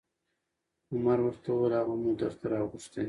عمر ورته وویل: هغه مو درته راغوښتی